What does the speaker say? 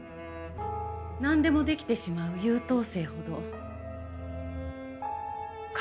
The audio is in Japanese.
なんでもできてしまう優等生ほど仮面をつけてる。